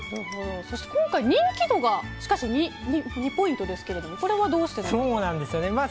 そして今回人気度が２ポイントですけどこれはどうしてですか？